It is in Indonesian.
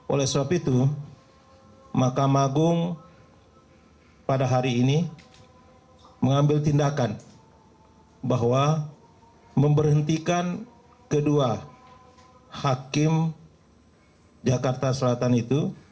oleh sebab itu makam agung pada hari ini mengambil tindakan bahwa memberhentikan kedua hakim jakarta selatan itu